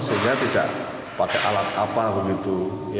sehingga tidak pakai alat apa begitu